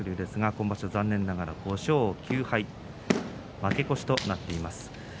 今場所は残念ながらここまで５勝９敗と負け越しとなっています。